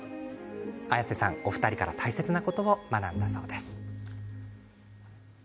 綾瀬さん、お二人から大切なことを学んだんだそうです。